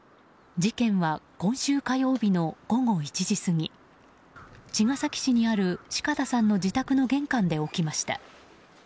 事件は今週火曜日の午後１時過ぎ茅ヶ崎市にある四方さんの自宅の玄関で起きました。